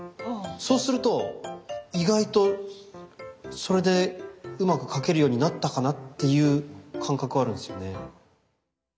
そうすると意外とそれでうまく描けるようになったかなっていう感覚あるんですよね。